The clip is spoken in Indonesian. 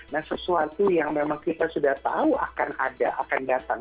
nah sesuatu yang memang kita sudah tahu akan ada akan datang